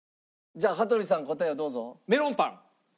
じゃあ羽鳥さん答えをどうぞ。